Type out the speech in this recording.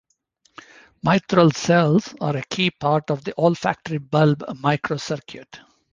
Mitral cells are a key part of the olfactory bulb microcircuit.